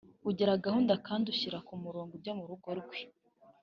ugira gahunda kandi ushyira ku murongo ibyo mu rugo rwe